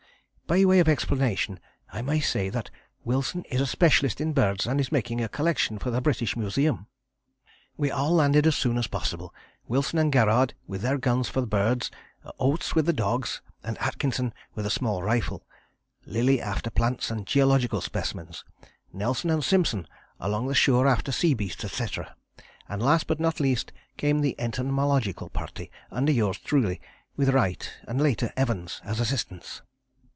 By way of explanation I may say that Wilson is a specialist in birds and is making a collection for the British Museum. "We all landed as soon as possible. Wilson and Garrard with their guns for birds: Oates with the dogs, and Atkinson with a small rifle: Lillie after plants and geological specimens: Nelson and Simpson along the shore after sea beasts, etc.: and last but not least came the entomological party, under yours truly, with Wright and, later, Evans, as assistants.